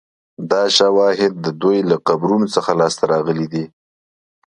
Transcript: دا شواهد د دوی له قبرونو څخه لاسته راغلي دي